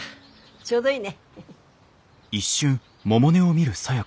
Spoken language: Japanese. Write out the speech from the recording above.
ちょうどいいね。